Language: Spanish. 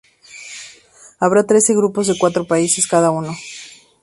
Habrá trece grupos de cuatro países cada uno.